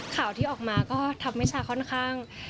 ข่าวที่ออกมาก็ทำให้ชาค่อนข้าง